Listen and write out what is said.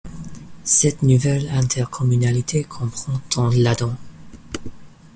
Cette nouvelle intercommunalité comprend dont Ladon.